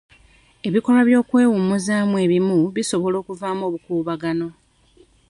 Ebikolwa by'okwewummuzaamu ebimu bisobola okuvaamu obukuubagano.